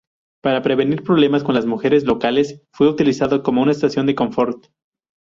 Para prevenir problemas con las mujeres locales, fue utilizado como una estación de confort.